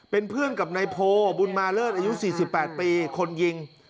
เป็นเพื่อนกับนายโพบุญมาเลิศอายุ๔๘ปีคนยิง